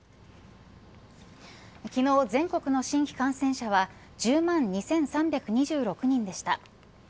昨日、全国の新規感染者は１０万２３２６人でした。